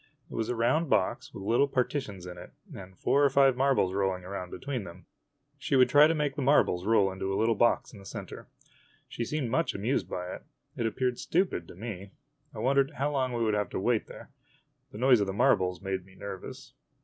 It was a round box with O little partitions in it, and four or five marbles rolling around be tween them. She would try to make the marbles roll into a little box in the center. She seemed much amused by it. It appeared stupid to me. I wondered how long we should have to wait there. The noise of the marbles made me nervous.